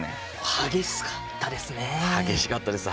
激しかったですね。